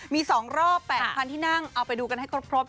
มีสองรอบแปดพันที่นั่งเอาไปดูกันให้ครบ